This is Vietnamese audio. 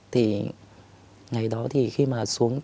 thì ngày đó thì khi mà xuống